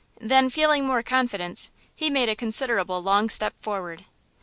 Then, feeling more confidence, he made a considerably long step forward.